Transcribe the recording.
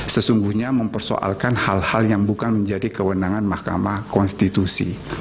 sesungguhnya mempersoalkan hal hal yang bukan menjadi kewenangan mahkamah konstitusi